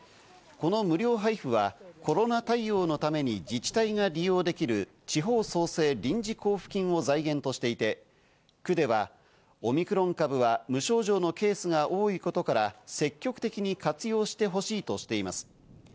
この無料配布はコロナ対応のために自治体が利用できる地方創生臨時交付金を財源としていて、区ではオミクロン株は無症状のケースが多いことから、積極的に活用してほしいとしています。